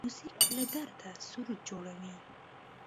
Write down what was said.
موزیک له درده سرود جوړوي.